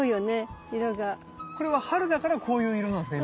これは春だからこういう色なんですか？